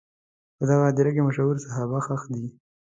په دغه هدیره کې مشهور صحابه ښخ دي.